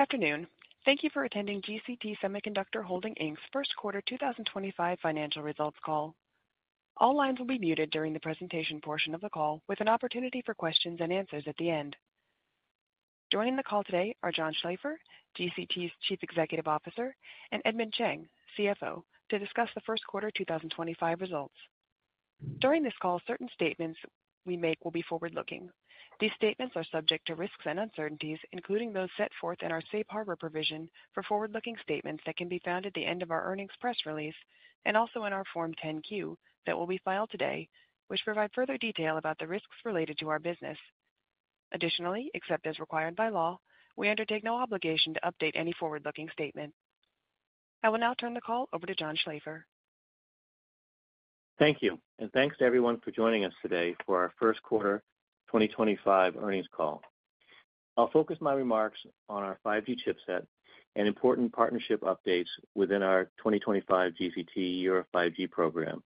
Good afternoon. Thank you for attending GCT Semiconductor Holding, Inc's First Quarter 2025 Financial Results Call. All lines will be muted during the presentation portion of the call, with an opportunity for questions and answers at the end. Joining the call today are John Schlaefer, GCT's Chief Executive Officer, and Edmond Cheng, CFO, to discuss the first quarter 2025 results. During this call, certain statements we make will be forward-looking. These statements are subject to risks and uncertainties, including those set forth in our safe harbor provision for forward-looking statements that can be found at the end of our earnings press release and also in our Form 10Q that will be filed today, which provide further detail about the risks related to our business. Additionally, except as required by law, we undertake no obligation to update any forward-looking statement. I will now turn the call over to John Schlaefer. Thank you, and thanks to everyone for joining us today for our first quarter 2025 earnings call. I'll focus my remarks on our 5G chipset and important partnership updates within our 2025GCT - Year of 5G program.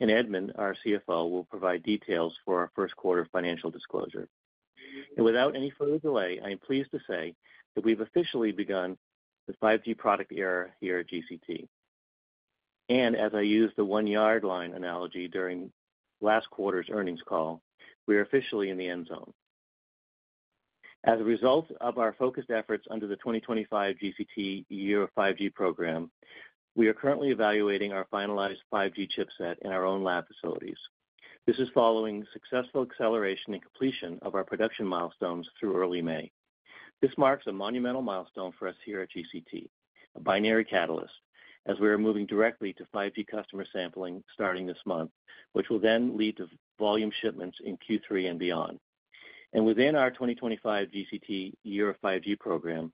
Edmond, our CFO, will provide details for our first quarter financial disclosure. Without any further delay, I am pleased to say that we've officially begun the 5G product era here at GCT. As I used the one-yard line analogy during last quarter's earnings call, we are officially in the end zone. As a result of our focused efforts under the 2025GCT - Year of 5G program, we are currently evaluating our finalized 5G chipset in our own lab facilities. This is following successful acceleration and completion of our production milestones through early May. This marks a monumental milestone for us here at GCT, a binary catalyst, as we are moving directly to 5G customer sampling starting this month, which will then lead to volume shipments in Q3 and beyond. Within our 2025GCT - Year of 5G program,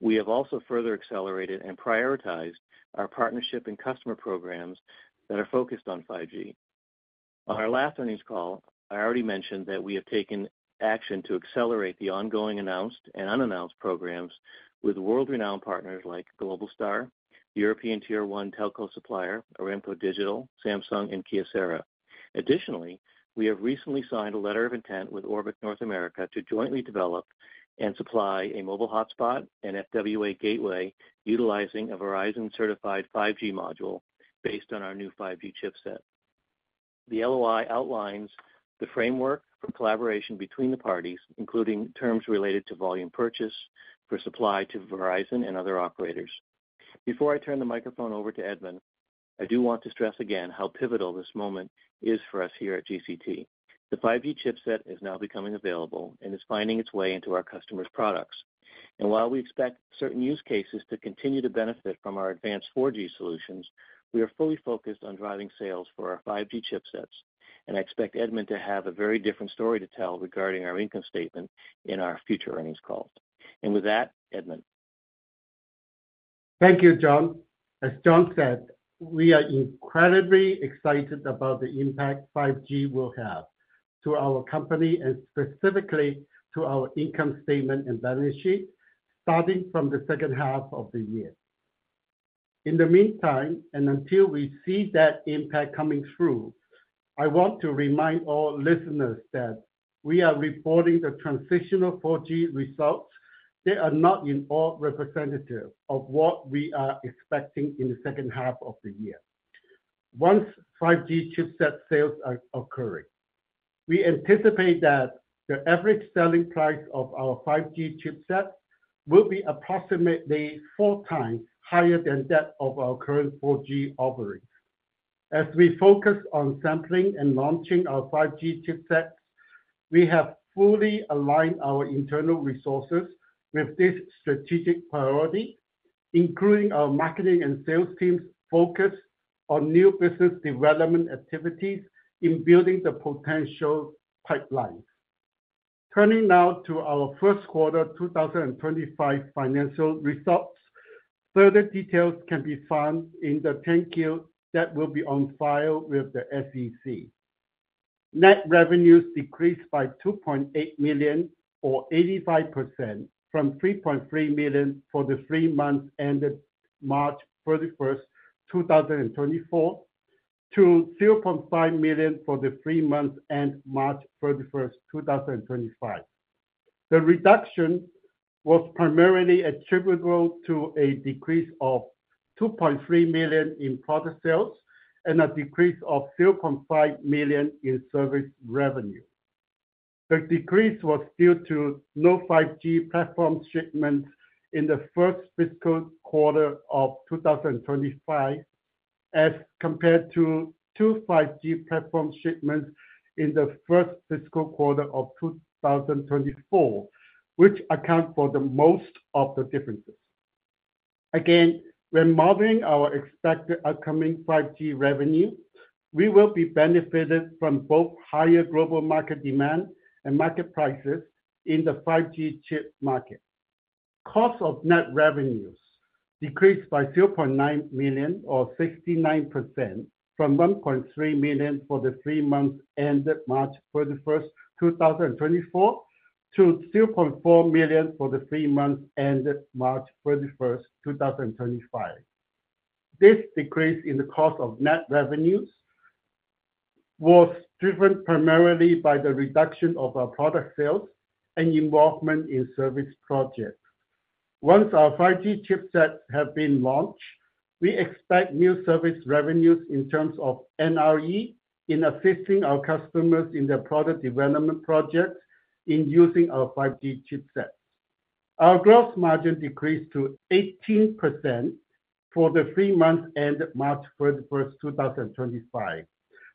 we have also further accelerated and prioritized our partnership and customer programs that are focused on 5G. On our last earnings call, I already mentioned that we have taken action to accelerate the ongoing announced and unannounced programs with world-renowned partners like Globalstar, European tier one telco supplier Aramco Digital, Samsung, and Kyocera. Additionally, we have recently signed a letter of intent with Orbic North America to jointly develop and supply a mobile hotspot and FWA gateway utilizing a Verizon-certified 5G module based on our new 5G chipset. The LOI outlines the framework for collaboration between the parties, including terms related to volume purchase for supply to Verizon and other operators. Before I turn the microphone over to Edmond, I do want to stress again how pivotal this moment is for us here at GCT. The 5G chipset is now becoming available and is finding its way into our customers' products. While we expect certain use cases to continue to benefit from our advanced 4G solutions, we are fully focused on driving sales for our 5G chipsets. I expect Edmond to have a very different story to tell regarding our income statement in our future earnings call. With that, Edmond. Thank you, John. As John said, we are incredibly excited about the impact 5G will have to our company and specifically to our income statement and balance sheet starting from the second half of the year. In the meantime, and until we see that impact coming through, I want to remind all listeners that we are reporting the transitional 4G results. They are not in all representative of what we are expecting in the second half of the year. Once 5G chipset sales are occurring, we anticipate that the average selling price of our 5G chipset will be approximately four times higher than that of our current 4G offerings. As we focus on sampling and launching our 5G chipsets, we have fully aligned our internal resources with this strategic priority, including our marketing and sales teams' focus on new business development activities in building the potential pipelines. Turning now to our first quarter 2025 financial results, further details can be found in the 10-Q that will be on file with the SEC. Net revenues decreased by $2.8 million, or 85%, from $3.3 million for the three months ended March 31st, 2024, to $0.5 million for the three months ended March 31st, 2025. The reduction was primarily attributable to a decrease of $2.3 million in product sales and a decrease of $0.5 million in service revenue. The decrease was due to no 5G platform shipments in the first fiscal quarter of 2025, as compared to two 5G platform shipments in the first fiscal quarter of 2024, which account for most of the differences. Again, when modeling our expected upcoming 5G revenue, we will be benefited from both higher global market demand and market prices in the 5G chip market. Cost of net revenues decreased by $0.9 million, or 69%, from $1.3 million for the three months ended March 31st, 2024, to $0.4 million for the three months ended March 31, 2025. This decrease in the cost of net revenues was driven primarily by the reduction of our product sales and involvement in service projects. Once our 5G chipsets have been launched, we expect new service revenues in terms of NRE in assisting our customers in their product development projects in using our 5G chipsets. Our gross margin decreased to 18% for the three months ended March 31, 2025,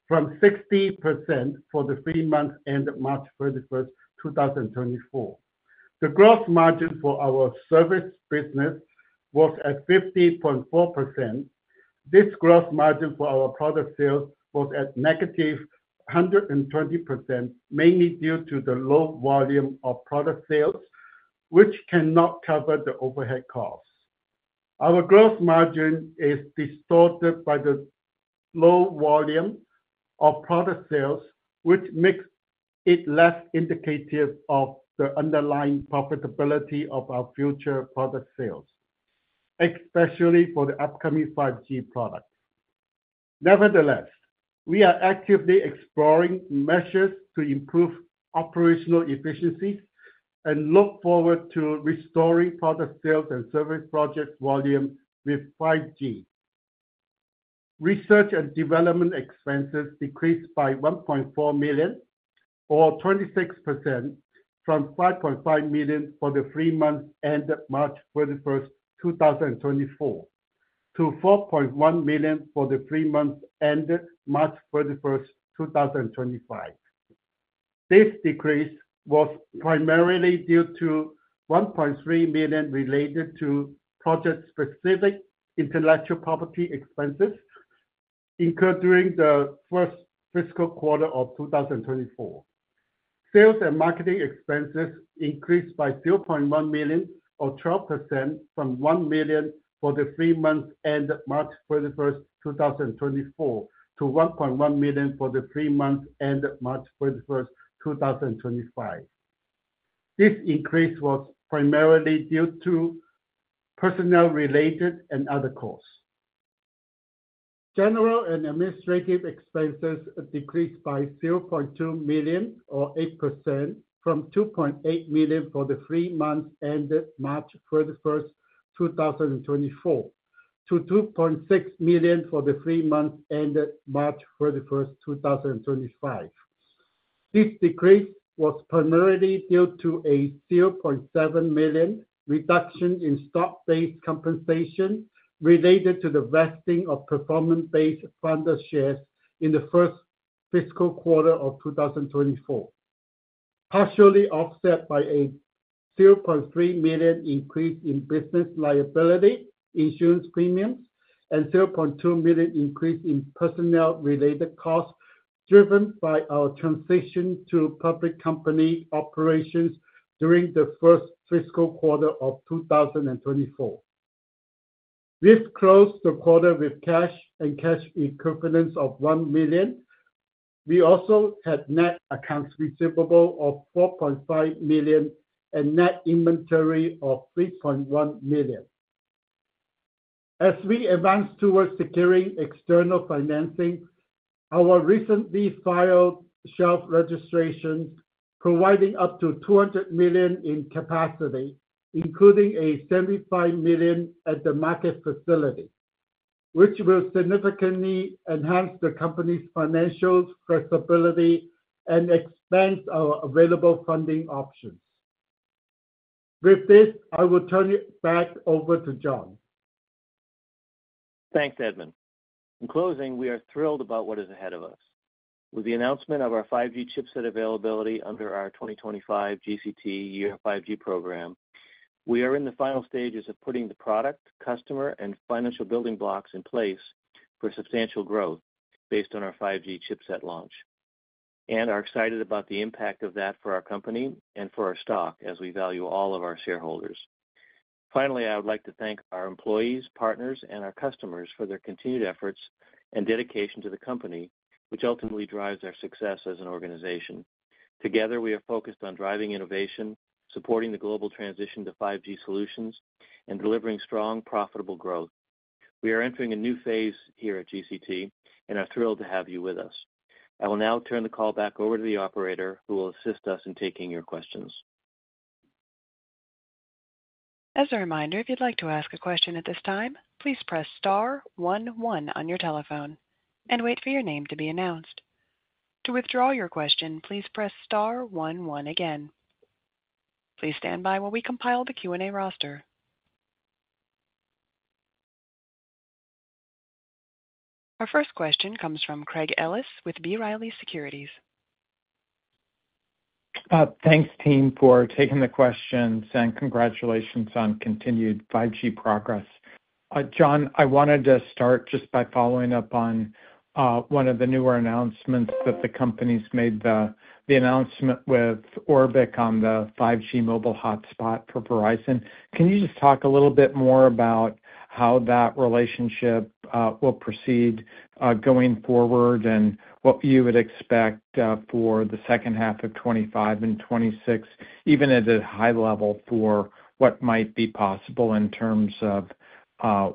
from 60% for the three months ended March 31, 2024. The gross margin for our service business was at 50.4%. This gross margin for our product sales was at -120%, mainly due to the low volume of product sales, which cannot cover the overhead costs. Our gross margin is distorted by the low volume of product sales, which makes it less indicative of the underlying profitability of our future product sales, especially for the upcoming 5G products. Nevertheless, we are actively exploring measures to improve operational efficiencies and look forward to restoring product sales and service project volume with 5G. Research and development expenses decreased by $1.4 million, or 26%, from $5.5 million for the three months ended March 31, 2024, to $4.1 million for the three months ended March 31, 2025. This decrease was primarily due to $1.3 million related to project-specific intellectual property expenses incurred during the first fiscal quarter of 2024. Sales and marketing expenses increased by $0.1 million, or 12%, from $1 million for the three months ended March 31, 2024, to $1.1 million for the three months ended March 31, 2025. This increase was primarily due to personnel-related and other costs. General and administrative expenses decreased by $0.2 million, or 8%, from $2.8 million for the three months ended March 31, 2024, to $2.6 million for the three months ended March 31, 2025. This decrease was primarily due to a $0.7 million reduction in stock-based compensation related to the vesting of performance-based funded shares in the first fiscal quarter of 2024, partially offset by a $0.3 million increase in business liability insurance premiums and $0.2 million increase in personnel-related costs driven by our transition to public company operations during the first fiscal quarter of 2024. We've closed the quarter with cash and cash equivalents of $1 million. We also had net accounts receivable of $4.5 million and net inventory of $3.1 million. As we advance towards securing external financing, our recently filed shelf registration provides up to $200 million in capacity, including a $75 million at-the-market facility, which will significantly enhance the company's financial flexibility and expand our available funding options. With this, I will turn it back over to John. Thanks, Edmond. In closing, we are thrilled about what is ahead of us. With the announcement of our 5G chipset availability under our 2025GCT - Year of 5G program, we are in the final stages of putting the product, customer, and financial building blocks in place for substantial growth based on our 5G chipset launch. We are excited about the impact of that for our company and for our stock, as we value all of our shareholders. Finally, I would like to thank our employees, partners, and our customers for their continued efforts and dedication to the company, which ultimately drives our success as an organization. Together, we are focused on driving innovation, supporting the global transition to 5G solutions, and delivering strong, profitable growth. We are entering a new phase here at GCT and are thrilled to have you with us. I will now turn the call back over to the operator, who will assist us in taking your questions. As a reminder, if you'd like to ask a question at this time, please press star one one on your telephone and wait for your name to be announced. To withdraw your question, please press star one one again. Please stand by while we compile the Q&A roster. Our first question comes from Craig Ellis with B. Riley Securities. Thanks, team, for taking the questions and congratulations on continued 5G progress. John, I wanted to start just by following up on one of the newer announcements that the company has made, the announcement with Orbic on the 5G mobile hotspot for Verizon. Can you just talk a little bit more about how that relationship will proceed going forward and what you would expect for the second half of 2025 and 2026, even at a high level, for what might be possible in terms of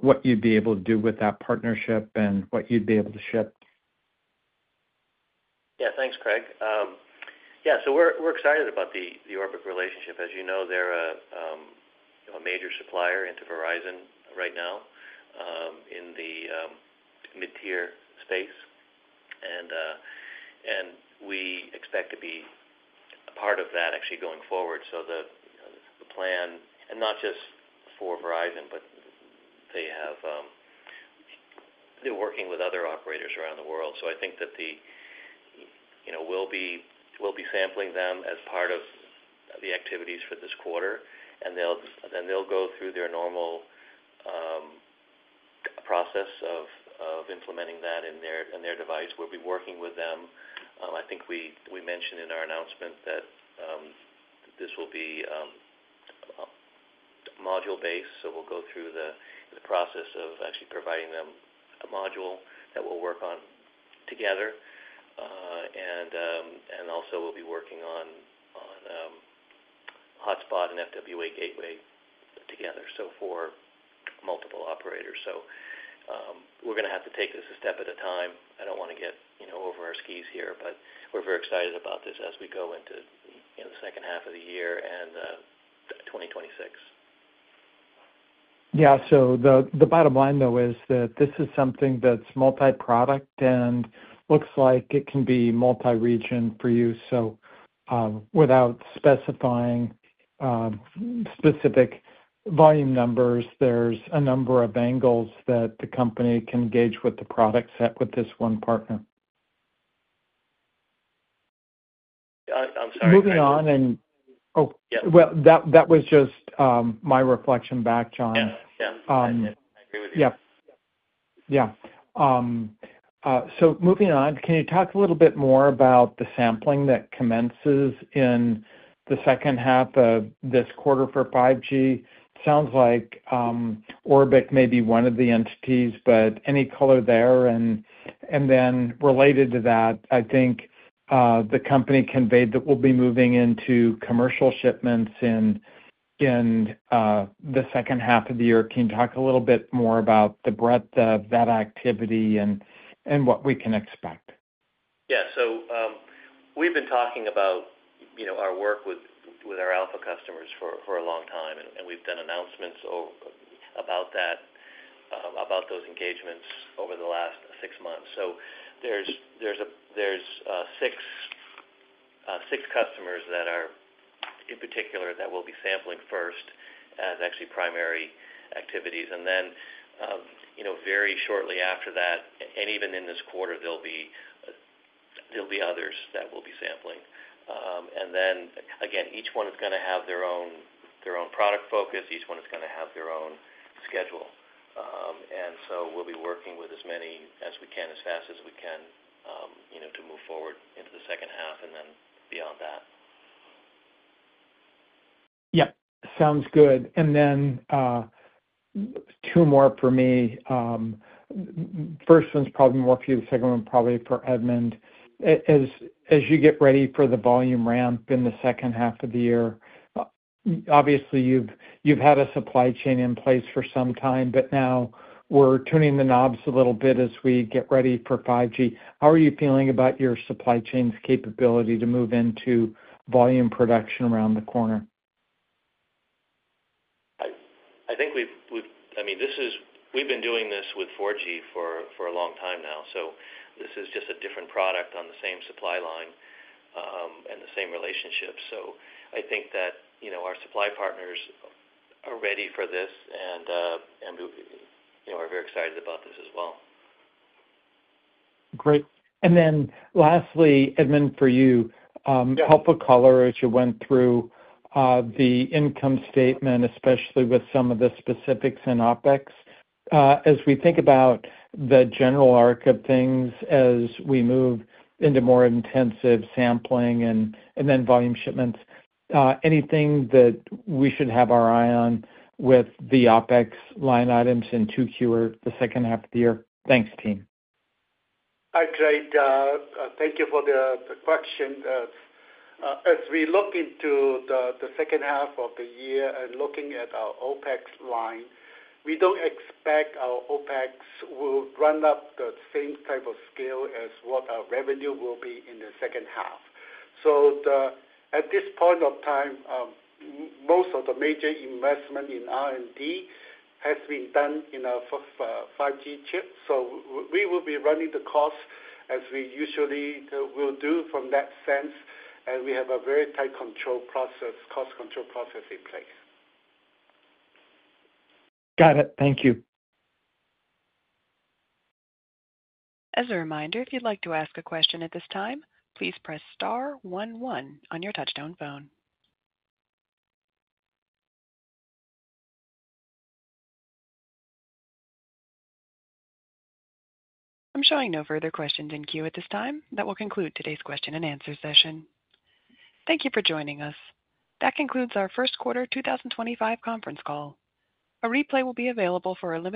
what you'd be able to do with that partnership and what you'd be able to ship? Yeah, thanks, Craig. Yeah, so we're excited about the Orbic relationship. As you know, they're a major supplier into Verizon right now in the mid-tier space. We expect to be a part of that actually going forward. The plan, and not just for Verizon, but they're working with other operators around the world. I think that we'll be sampling them as part of the activities for this quarter. They will go through their normal process of implementing that in their device. We'll be working with them. I think we mentioned in our announcement that this will be module-based. We'll go through the process of actually providing them a module that we'll work on together. Also, we'll be working on hotspot and FWA gateway together, for multiple operators. We're going to have to take this a step at a time. I don't want to get over our skis here, but we're very excited about this as we go into the second half of the year and 2026. Yeah, so the bottom line, though, is that this is something that's multi-product and looks like it can be multi-region for you. Without specifying specific volume numbers, there's a number of angles that the company can engage with the product set with this one partner. I'm sorry. Moving on. Yeah. Oh, that was just my reflection back, John. Yeah, yeah. I agree with you. Yeah. Yeah. Moving on, can you talk a little bit more about the sampling that commences in the second half of this quarter for 5G? Sounds like Orbic may be one of the entities, but any color there? Related to that, I think the company conveyed that we'll be moving into commercial shipments in the second half of the year. Can you talk a little bit more about the breadth of that activity and what we can expect? Yeah, so we've been talking about our work with our alpha customers for a long time. We've done announcements about those engagements over the last six months. There are six customers, in particular, that we'll be sampling first as actually primary activities. Very shortly after that, and even in this quarter, there will be others that we'll be sampling. Each one is going to have their own product focus. Each one is going to have their own schedule. We'll be working with as many as we can, as fast as we can, to move forward into the second half and then beyond that. Yeah, sounds good. Two more for me. First one's probably more for you. The second one probably for Edmond. As you get ready for the volume ramp in the second half of the year, obviously, you've had a supply chain in place for some time, but now we're turning the knobs a little bit as we get ready for 5G. How are you feeling about your supply chain's capability to move into volume production around the corner? I think we've—I mean, this is—we've been doing this with 4G for a long time now. This is just a different product on the same supply line and the same relationship. I think that our supply partners are ready for this and are very excited about this as well. Great. Lastly, Edmond, for you, help a color as you went through the income statement, especially with some of the specifics and OpEx. As we think about the general arc of things as we move into more intensive sampling and then volume shipments, anything that we should have our eye on with the OpEx line items in Q2 or the second half of the year? Thanks, team. Hi, Craig. Thank you for the question. As we look into the second half of the year and looking at our OpEx line, we do not expect our OpEx will run up the same type of scale as what our revenue will be in the second half. At this point of time, most of the major investment in R&D has been done in our 5G chip. We will be running the cost as we usually will do from that sense. We have a very tight cost control process in place. Got it. Thank you. As a reminder, if you'd like to ask a question at this time, please press star one one on your touch-tone phone. I'm showing no further questions in queue at this time. That will conclude today's question-and-answer session. Thank you for joining us. That concludes our first quarter 2025 conference call. A replay will be available for a limited time.